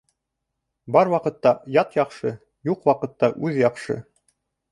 Бар ваҡытта ят яҡшы, юҡ ваҡытта үҙ яҡшы.